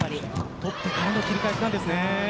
取ってからの切り返しなんですね。